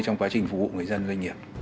trong quá trình phục vụ người dân doanh nghiệp